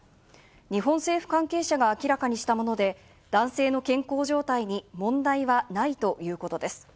日本政府関係者が明らかにしたもので、男性の健康状態に問題はないということです。